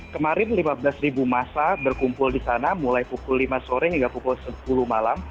kemarin lima belas ribu masa berkumpul di sana mulai pukul lima sore hingga pukul sepuluh malam